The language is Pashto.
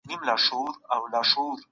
لوړ فکر انسان لوړو پوړیو ته رسوي.